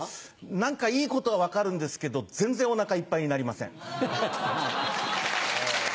何かいいことは分かるんですけど全然お腹いっぱいになりません。